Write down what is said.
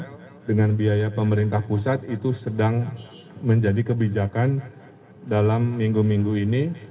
karena dengan biaya pemerintah pusat itu sedang menjadi kebijakan dalam minggu minggu ini